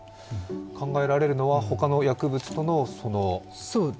考えられるのは他の薬物との？